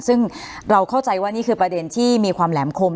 ซึ่งเราเข้าใจว่านี่คือประเด็นที่มีความแหลมคม